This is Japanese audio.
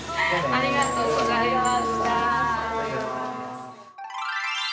ありがとうございます。